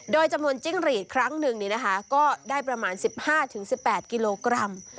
โดยจำนวนจิ้งหรีดครั้งหนึ่งก็ได้ประมาณ๑๕๑๘กิโลกรัม